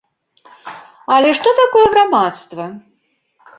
Але што такое грамадства?